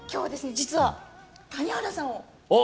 実は谷原さんをおっ！